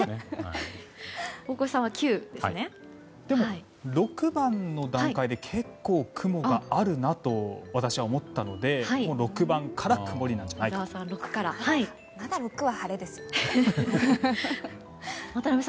でも６番の段階で結構、雲があるなと私は思ったので６番から曇りなんじゃないかと。